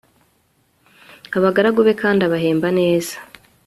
abagaragu be kandi abahemba neza